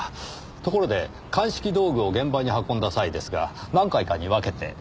ところで鑑識道具を現場に運んだ際ですが何回かに分けて？